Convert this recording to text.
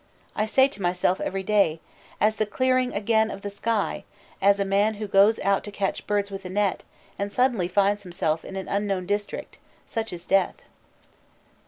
I say to myself every day: As the clearing again of the sky, as a man who goes out to catch birds with a net, and suddenly finds himself in an unknown district, such is death."